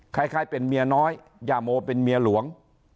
คล้ายเป็นเมียน้อยย่าโมเป็นเมียหลวง